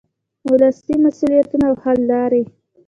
ولسي مسؤلیتونه او حل لارې.